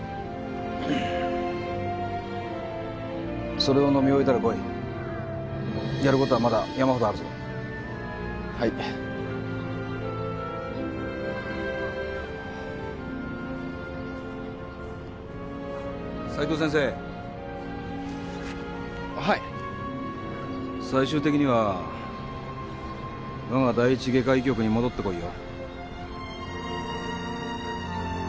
それを飲み終えたら来いやることはまだ山ほどあるぞはい・斉藤先生はい最終的には我が第一外科医局に戻って来いよ